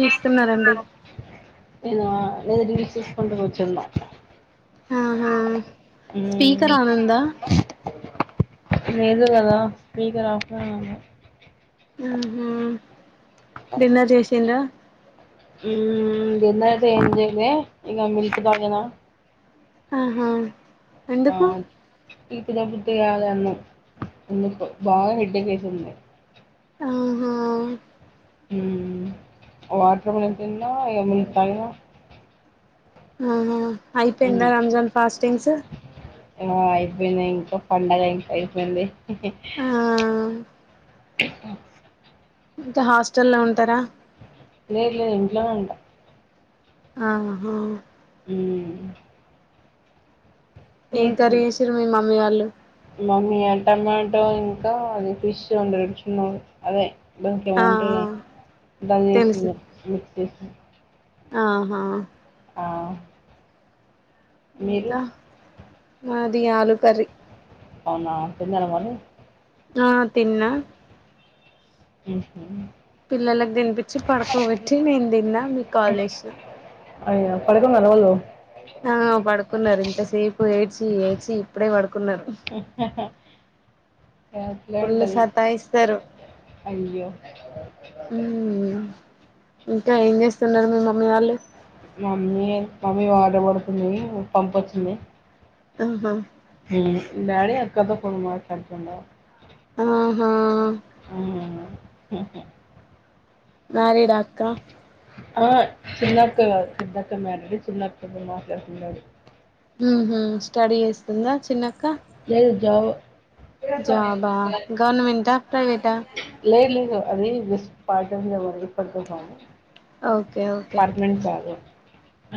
చూస్తున్నారండి లేదు రీల్స్ చూసుకుంటా కూర్చున్నా ఆహా స్పీకర్ ఆనుందా లేదు కదా స్పీకర్ ఆఫ్ లోనే ఉంది ఆహా డిన్నర్ చేసిండ్రా ఉమ్ డిన్నర్ ఐతే ఏం చేయలే ఇంగ మిల్క్ తాగాను ఆహా ఎందుకు తీపి తినబుద్ధే కాలే అన్న అందుకో బాగా హెడ్డేక్ ఐతుంది ఆహా హుమ్మ్ వాటర్ మిలాన్ తిన్నా ఏమైనా తాగినా అహ అయిపోయిందా రంజాన్ ఫాస్టింగ్సు ఆ అయిపోయిన్నాయి ఇంకా పండగ ఇంకా అయిపోయింది ఆ హ్ ఇంక హాస్టల్ల్లో ఉంటరా లేద్ లేదు ఇంట్లో ఉంటా ఆహా హ్మ్ ఏం కర్రీ జేసిర్రు మీ మమ్మీ వాళ్ళు మమ్మీ ఆ [unintelligible] ఇంకా అది ఫిష్ అందర్ చున్నారు అదే దాన్కి ఆ ఏమౌంటుంన దాన్ని ఏసి ఇంగ మిక్స్ చేసి ఆ హా ఆ మీరు ఇంకా మాది ఆలూ కర్రీ అవునా తిన్నార మరీ ఆ తిన్నా మ్మ్ హ్మ్ పిల్లలక్ దిన్పిచ్చి పడుకోబెట్టీ నేన్దిన్నా మీక్ కాల్జేస్ నా అయ్యో పడుకున్నర వోల్లు ఆ పడుకున్నా రింతసేప్ ప్ ఏడ్చి ఏడ్చి ఇప్పుడే పడు అట్లే ఫుల్లు ఉంటది సతాయిస్తారు అయ్యో మ్మ్ ఇంకా ఏం జేస్తున్నారు మీ మమ్మీ వాళ్ళు మమ్మీ మమ్మీ వాటర్ పడ్తుందీ పంపొచ్చింది ఆ హ మ్మ్ డాడీ అక్కతో ఫోన్ మాట్లాడుతుండా ఆ హా ఆహ్ హు హూ మ్యారీడాక్క ఆ చిన్నక్క గాదు పెద్దక్క మ్యారీడ్ చిన్నక్కకు మాట్లాడుతున్నారు మ్మ్ హ్మ్ స్టడీ జేస్తుందా చిన్నక్కా లేద్ జావో జాబా గవర్నమెంటా ప్రైవేటా లేద్ లేదు అదీ విష్ పార్ట్ టైం లే only for the form okay okay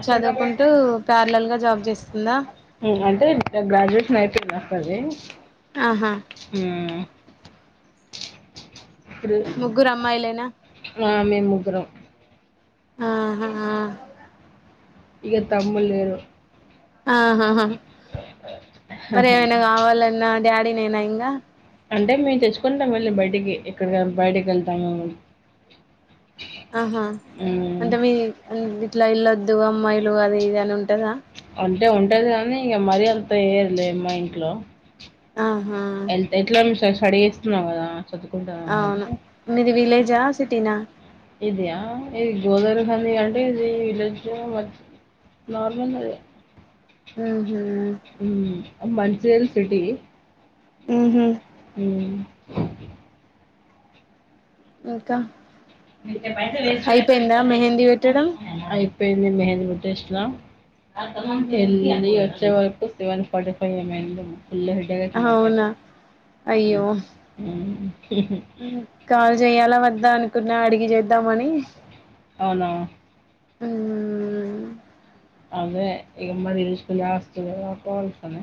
చదువుకుంటూ ప్యార్లల్ గా జాబ్ జేస్తుందా. టే ఇక్కడ గ్రాడ్యుయేషన్ అయిపేందా అక్క ది ఆహా ఇప్పుడు ముగ్గురు అమ్మాయిలేనా ఆ మేమ్ ముగ్గురం ఆహ ఆ ఇగ తమ్ముల్లేరు ఆహ్ హ హ హా మరి ఏమైనా కావాలన్నా డ్యా నేనేనా ఇంగా అంటే మేమ్ తెచ్చుకుంటాం వెళ్ళి బయిటికి ఎక్కడికైన బైటికి వెళ్తాము ఆహా ఉమ్, అంటే మీ అంది ఇట్లా ఏల్లొద్దు అమ్మాయిలు అది ఇది అని ఉంటదా అంటే ఉంటది కానీ ఇగ మరి అంత ఏయరులే మా ఇంట్లో ఆహా ఎల్ ఎట్లా మీ సర్ స్టడీస్ స్నావ్ గదా ఆవ్ను మీది విలేజా సిటీనా. ఇది ఆ ఏ ఇది గోదారి ఫ్యామిలీ అంటే ఇది విలేజ్ మచ్ నార్మల్గ అదే. ఉహు మన్చేల్ సిటీ ఉహు ఉమ్ ఇంకా! మిర్ అయిపోయిందా మెహందీ పెట్టడం ఐ పేంది మెహెంది పెట్టేశ్లా ఉహు చెళ్ళి వచ్చే వర్ ట్ సెవన్ ఫార్టీ ఫైవ్ ఏమైందేమో ఫుల్ల్ హెడ్డేకైతుంది నాకైతే అవునా ఉమ్ ఉమ్ ఉహు కాల్ జెయ్యాలా వద్ద అను. కున్నా అడిగి జేద్దామని ఔనా! ఉమ్ అదే ఇగ మరి ఇల్శులాస్తులు [unintelligible] సమే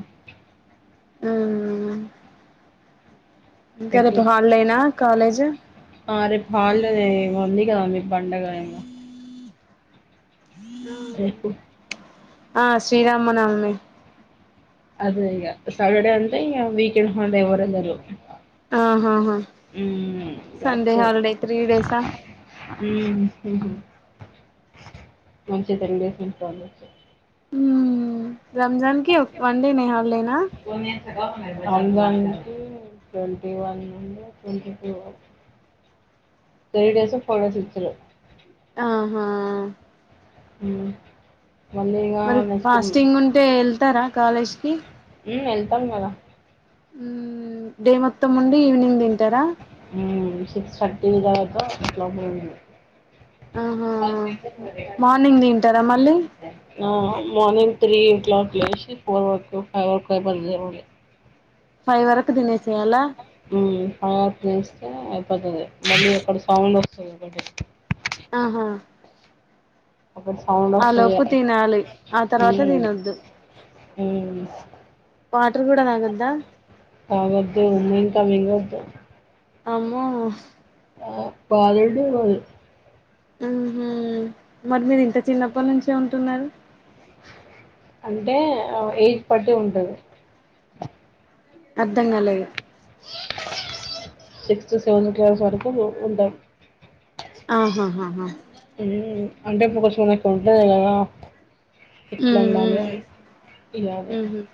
అమ్ పెట్టి కాలేజ్ ఆ రేప్ హల్డే లే ఏమో ఉంది. ఇగ మీ పండగ ఏమో. రేపు! ఆ శ్రీరామనవమి. అదే ఇగ సాటడే అంటే ఇగ వీకెండ్ [unintelligible] ఎవరుండరు. ఆహాహా సండె హాలిడే త్రీ డేసా. మంచిగ్ [unintelligible] ఉండచ్చు మ్మ్ రంజాన్ కి ఒక్ వన్డేనే హాలిడేన. ఉమ్ ట్వంటీ వన్ నుండి ట్వంటీ త్రీ వరకు త్రీ డేసో ఫోర్ డేసో ఇచ్చిర్రు. ఆహా ఉమ్ మళ్ళీ ఇక మరి నెక్స్ట్ ఫాస్టింగుంటే యెళ్తర. కాలేజ్కి ఉమ్ వెళ్తాం కదా ఉమ్ డే మొత్తముండి ఈవినింగ్ దింటరా. ఉమ్ సిక్స్ థర్టీ దాకా అట్ల [unintelligible] ఆహా మార్నింగ్ తింటారా మళ్ళీ అ మార్నింగ్ త్రీ క్లాక్ లేషి ఫోర్ వరకు ఫైవ్ వరకు [unintelligible] ఫైవ్ వరకు దినేసెయ్యల్ల అయిపోతుది మళ్ళీ అక్కడ సౌండ్ వస్తుంది ఒకటి ఆహా అక్కడ సౌండ్ ఆ వస్తుంది లోపు తినాలి ఆ తర్వాత తినొద్దు అ వాటర్ కూడాడ నాగద్దా తాగద్దు ఉమ్ ఇన్కా మింగద్దు అమ్మో ఆ పాలడు ఆహ మరి మీరు ఇంత చిన్నప్పటి నుంచే ఉంటున్నారు అంటే ఏజ్ పట్టి ఉంటది అర్ధం నలేదు సిక్స్త్ సెవెంతత్ ట్వెల్త్ వరకు ఉంటాం ఆహాహాహా హూ అంటే ఇప్పుడు కొంచెంకు ఉంటది కదా ఎట్లా మ్మ్ ఉండాలి మ్మ్ ఇలాగ మ్మ్ హ్మ్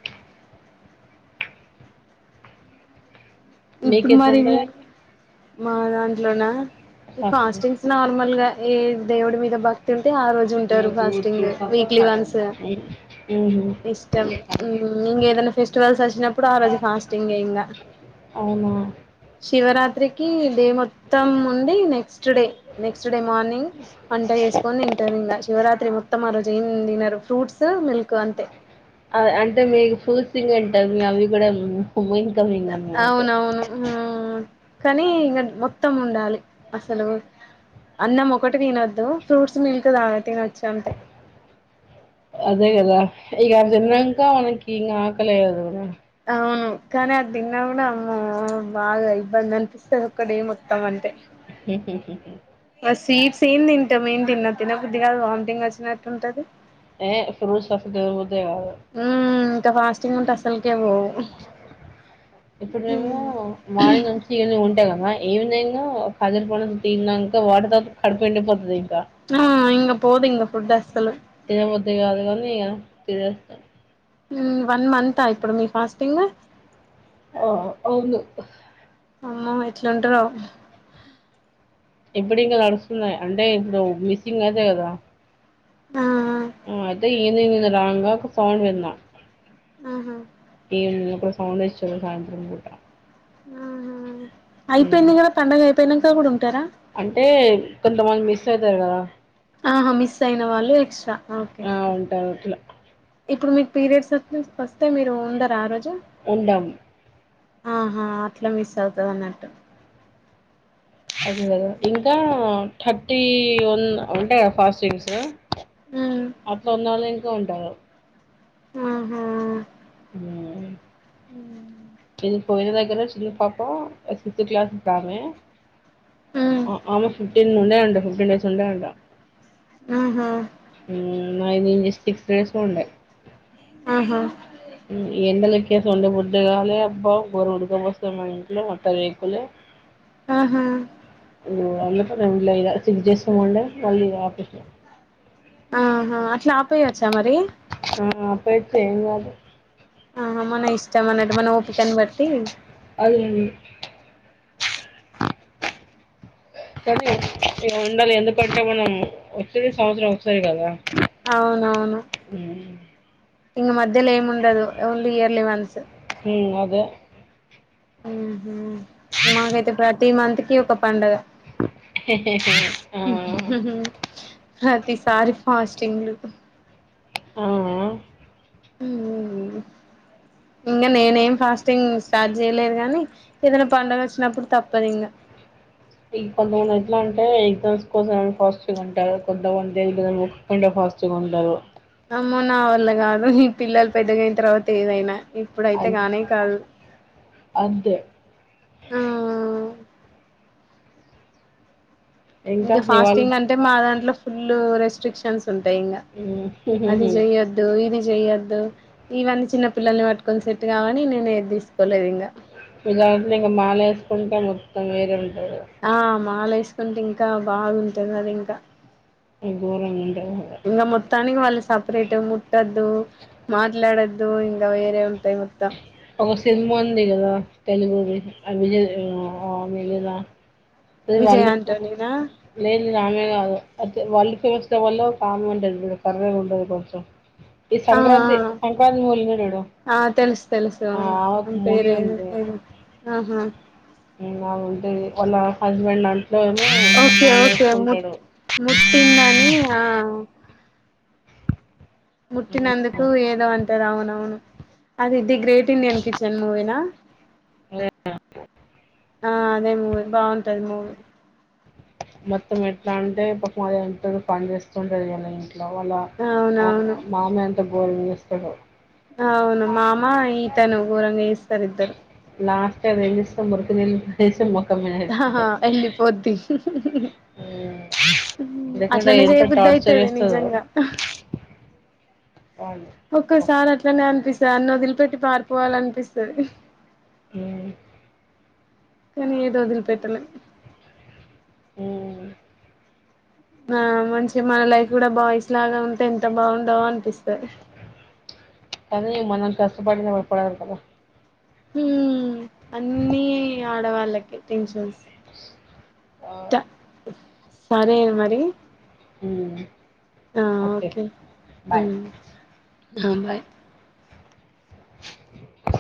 ఇప్పుడు మరి మీకటండ మీకు మా దాంట్లోనా ఈ ఫస్ట్ మ్మ్. ఫాస్టింగ్స్ నార్మల్గా ఏ దేవుడి మీద భక్తు అతే ఆ రోజు ఉంటారు ఫాస్టింగ్ వీక్లీ వన్స్ ఇష్టం ఇంకా ఏదైనా ఫెస్టివల్స్ వచ్చినప్పుడు ఆ రోజు ఫాస్టింగ్ ఇంకా అవునా శివరాత్రి కి డే మొత్తం ఉండి next day next day morning వంట చేసుకొని ఇంటర్నింగ్ శివరాత్రి మొత్తం ఆ రోజు ఏం తిన్నారు ఫ్రూట్స్ మిల్క్ అంతే అంటే మీకు ఫ్రూట్ ఇంకా తింటది లే అవి కూడా ఇన్కమింగ్ అన్నమాట అవునవును హు కానీ ఇంకా మొత్తం ఉండాలి అసలు అన్నం ఒకటి తినొద్దు ఫ్రూట్స్ మీల్క్ తాగు అంతేగా అదే కదా ఇక తిన్నంక ఆమెకి ఇంకా ఆకలీ లేదే ఏమో అవును కానీ ఆ దిన్న కూడా అమ్మో బాగా ఇబ్బంది అనిపిస్తది ఒక డే మొత్తం అంతే స్వీట్స్ ఏం తింటాము ఏం తిన్న తిన్న బుద్ది కాదు వామింటింగ్ వస్తున్నట్టు ఉంటది ఏ ఫ్రూట్ స్టఫ్ లేవు మ్మ్ ఇంకా ఫాస్టింగ్ ఉంటే అసలుకే పోవు [unintelligible] ఇప్పుడు మేము మార్నింగ్ నుంచి ఈవెనింగ్ ఉంట ఆ ఏందేందో ఖజరు పను తినంక వాటితోప్పు కడుపు ఎండిపోతుంది ఆ ఇంగా పోద్ ఇంగా ఫుడ్ అస్సలు తిన బుద్ధి కాదు కానీ తినేస్తా హూ వన్ మంతా ఇప్పుడు మీ ఫాస్టింగ్ ఓహో అవును అమ్మో ఎట్లుంటరో ఇప్పుడు ఇంగా నడుస్తున్నాయి అంటే ఇప్పుడు మిస్సింగ్ అయితే కద ఆ ఏది మీరు రాంగ్ గా ఒక సౌండ్ విన్నా ఆహా ఈమె ఉన్నప్పుడు వస్ భవనేశ్వర సాయంత్రం పూట ఆహా మ్మ్ అయిపోయింది కదా పండగ అయిపోయిన తోగుడ ఉంటర అంటే కొంతమంది మిస్ ఐతర్ కదా ఆహా మిస్ అయిన వాళ్ళు ఎక్స్ ఆ ఉంటారు అట్ల ఇప్పుడు మీకు పీరియడ్స్ వస్తే వస్తే మీరు ఉండరా ఆ రోజు ఉండం ఆహా అట్ల మిస్ అవుతది అన్నట్టు అదే కదా ఇంకా థర్టీ వన్ ఉంటాయి కదా ఫాస్టింగ్సు హ్మ్ అట్లా ఉన్న వాళ్ళు ఇం తో ఉంటారు ఉహ్మ హమ్ మ్మ్. ఇది పోయిన దగర చిన్న పాప సిత్త్ క్లాస్ అంట అమే హ్మ్ ఆమె ఫిఫ్టీన్‌ ను ఉండే ఫిఫ్టీన్ డేస్ ఉండేయంట ఉమ్మ్ [unintelligible] ఆహా ఎండల ఎక్కేసి ఉండబుడ్డ కావాలలి అబ్బా గోర ఉడకపోస్త మా ఇంట్లో మొత్తం రేకులే ఆహా అందుకే వుండీ ఇగ సిక్స్ డేస్ ఏమో ఉండే మళ్ళీ ఆపేసా ఆహా అట్లా ఆపయచ్చా మరి ఆ ఆపై యచ్చు ఏం కాదు ఆహా మన ఇష్ట చ్చామన్నటు మన ఓపికని బట్టి అది కానీ ఉండాలి ఎందుకంటే మనం వచ్చేంది సంవత్సరం ఒకసారి కదా అవునవును మ్మ్. ఇంగ మధ్ ధ్యలో ఏముండదు ఓన్లీ ఇయర్లీ వన్స్ ధ్యా ఉహు మాకైతే ప్రతి మంత్ కి ఒక పండగ ఆ! ప్రతిసారి ఫస్టింగ్ లు ఆ ఇంకా నేనేం ఫాస్టింగ్ స్టార్ట్ చేయలేదు కానీ ఏదైనా పండగ వచ్చినప్పుడు తప్పదింగా ఈ కొంతమంది ఎట్లా అంటే ఎగ్జామ్స్ కోసంమని ఫాస్టింగ్ ఉంటారు. కొంత మంది దేవుని కి మొక్కుకుంటే ఫాస్ట్ గ ఉంటారు. అమ్మో నా వల్ల కాదు ఈ పిల్లలు పెద్దగాయిన తర్వాత ఏవైనా ఇప్పుడైతే అన్ గానే కాదు అంతే ఆ ఆ ఆ ఇంకా ఫాస్టింగ్ అంటే మా దాంట్లో ఫుల్ రెస్ ప్రిక్షన్స్ ఉంటాయి ఇంకా హ్మ్. అది చెయొద్దు ఇది చెయ్యొ ద్దు ఇవన్నీ చిన్న పిల్లల్ని పట్టుకొని సెట్ కావని నేను ఏది తీసుకోలేదు ఇంగ వినాయకుని మాల వేసుకుంటే మొత్తం వేరే ఉం కుంటే ఇంకా బాగుంటది అది ఇంకా ఘోరంగా ఉంటది అసల. ఇంగ మొత్తానికి వాళ్ళు సపరేట్ ముట్ట ద్దు మాట్లాడద్దు ఇంగ వేరే ఉంటాయ్ మొత్తం ఒక సినిమా ఉంది గదా తెలుగు [unintelligible] [unintelligible] ఇగ విజయ్ ఆంటోనీనా ఆమే కాదు [unintelligible] ఈ ఆ సంక్రాంతి ఆ సంక్రాంతి మూవిలో వున్నాడు వాడు పేరుఏంటి ఆహా ఉ ఆమెఉంటది వాళ్ళ హస్బెండ్ అం ఓకే ఓకే ముట్ మట్టిందని ఆ ఉమ్, ముట్టినందుకు ఏదో అంటారు అవునవును అది ఇది గ్రేట్ ఇండియన్ కిచెన్ మూవీనా అదే ఆ అదే మూవీ బావుంటది మూవీ మొత్తం ఎట్లా అంటే పాపం అదేంమంటారు పని చేస్తుంటది ఎలా ఏంటి వాల్ల ఆ అవునవును మామె అంత భోజనం చేస్తారో అవును మామ ఈతను గోరంగా చేస్తారు ఇద్దరు [unintelligible] ఆహాహ ఎత్తది ఎల్లి పోద్ది లేకుంటే అట్లనే ఎంత చేయబద్దు టార్చర్ అయితది చేస్తదో నిజంగా అవును ఒక్కోసారి అట్లనే అనిపిస్తది అన్న వదిలిపెట్టి పారిపోవాల అనిపిస్తది ఊ కాని ఏదొ వదిలి పెట్టలేం హ్ ఆ మంచిగా మన లైఫ్ కూడా బాయిస్ లాగా ఉంటే ఎంత బాగుండో అనిపిస్తది. కనీ మనం కష్టపడిన పడం కదా. హ్ అన్నీ ఆడవాళ్ళకే టెన్షన్స్. ఆ సరే మరి. ఉమ్ ఆ ఓకే ఆ బాయ్ అ బాయ్. [inaudible]